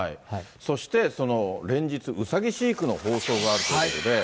そして連日、うさぎ飼育の放送があるということで。